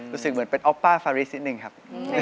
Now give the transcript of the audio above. รู้สึกเหมือนเป็นออฟป้าฟาริสนิดนึงครับ